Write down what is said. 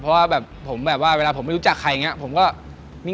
เพราะว่าเวลาผมไม่รู้จักใครอย่างนี้